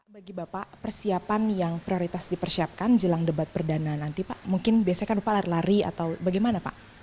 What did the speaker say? bagi bapak persiapan yang prioritas dipersiapkan jelang debat perdana nanti pak mungkin biasanya kan lupa lari lari atau bagaimana pak